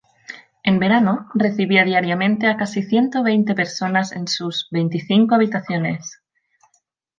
En verano, recibía diariamente a casi ciento veinte personas en sus veinticinco habitaciones.